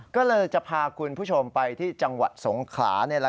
ก็เลยจะพาคุณผู้ชมไปที่จังหวัดสงขลา